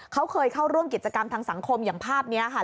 เขาเคยเข้าร่วมกิจกรรมทางสังคมอย่างภาพนี้ค่ะ